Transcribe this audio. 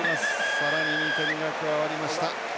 さらに２点が加わりました。